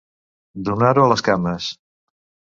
Donar-ho a les cames.